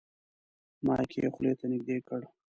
مایک یې خولې ته نږدې کړ.